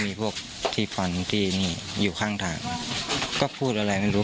มีพวกที่ฟันที่นี่อยู่ข้างทางก็พูดอะไรไม่รู้